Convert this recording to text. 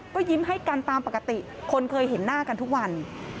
ก็ยิ้มให้กันตามปกติคนเคยเห็นหน้ากันทุกวัน